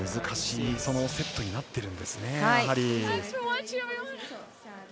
難しいセットになってるんですね。